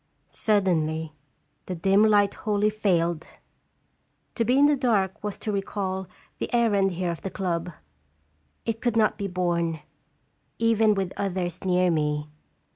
Suddenly the dim light wholly failed. To be in the dark was to recall the errand here of the club. It could not be borne, even with others near me.